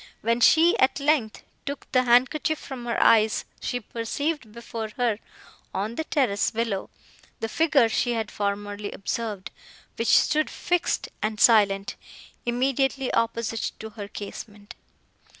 When she, at length, took the handkerchief from her eyes, she perceived, before her, on the terrace below, the figure she had formerly observed, which stood fixed and silent, immediately opposite to her casement.